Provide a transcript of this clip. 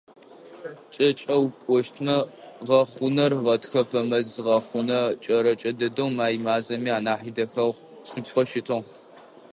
КӀэкӀэу пӀощтмэ, гъэхъунэр гъэтхэпэ мэз гъэхъунэ кӀэрэкӀэ дэдэу, май мазэми анахь идэхэгъу шъыпкъэу щытыгъ.